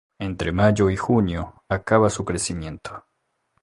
Entre mayo y junio acaba su crecimiento.